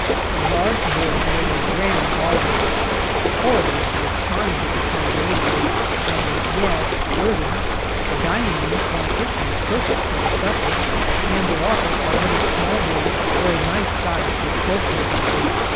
The large ward made a grand ballroom, the corridors were charming for promenading, and, yes, flirting, the dining room and kitchen perfect for the supper, and the office and other small rooms were a nice size for cloak rooms.